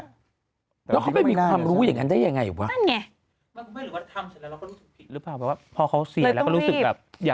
แล้วเขาไม่มีความรู้ว่าอย่างงั้นได้ยังไงวะนั่นไงมันก็ไม่รู้ว่าทำเสร็จแล้วเราก็รู้สึกผิดหรือเปล่า